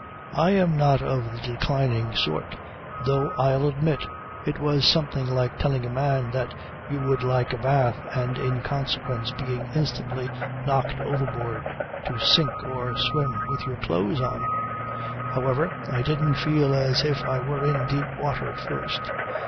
"I am not of the declining sort, though I'll admit it was something like telling a man that you would like a bath and in consequence being instantly knocked overboard to sink or swim with your clothes on. However, I didn't feel as if I were in deep water at first.